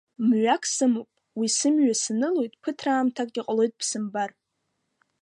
Мҩак сымоуп, уи сымҩа санылоит, ԥыҭраамҭак иҟалоит бсымбар.